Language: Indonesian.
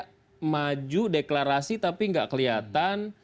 tidak maju deklarasi tapi nggak kelihatan